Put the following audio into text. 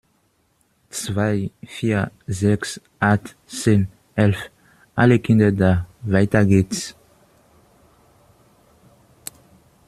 Zwei, Vier, Sechs, Acht, Zehn, Elf, alle Kinder da! Weiter geht's.